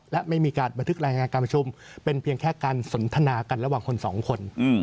และไม่มีการบันทึกรายงานการประชุมเป็นเพียงแค่การสนทนากันระหว่างคนสองคน